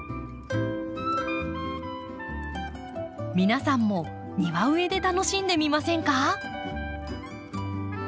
皆さんも庭植えで楽しんでみませんか？